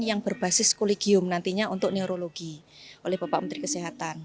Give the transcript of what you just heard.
yang berbasis kolegium nantinya untuk neurologi oleh bapak menteri kesehatan